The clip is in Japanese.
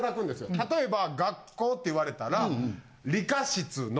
例えば「学校」って言われたら。